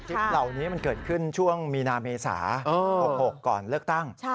คลิปเหล่านี้มันเกิดขึ้นช่วงมีนาเมษา๖๖ก่อนเลือกตั้ง